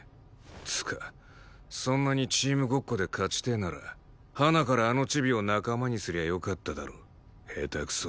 つかそんなにチームごっこで勝ちてえならはなからあのチビを仲間にすりゃよかっただろヘタクソ。